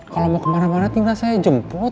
kalau mau kemana mana tinggal saya jemput